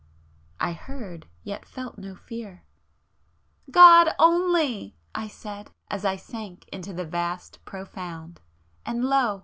I heard,—yet felt no fear. "God only!" I said, as I sank into the vast profound,—and lo!